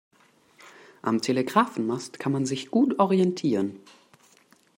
Am Telegrafenmast kann man sich gut orientieren.